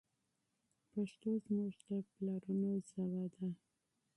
پښتو زموږ د پلرونو ژبه ده.